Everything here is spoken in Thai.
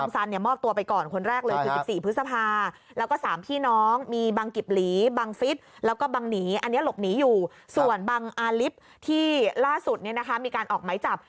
ส่วนบังอาริฟที่ล่าสุดมีการออกหมายจับ